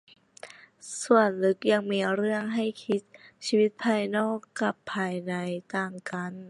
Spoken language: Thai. ส่วนลึกยังมีเรื่องให้คิด ชีวิตภายนอกกับภายในต่างกัน